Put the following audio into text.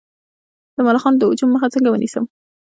د ملخانو د هجوم مخه څنګه ونیسم؟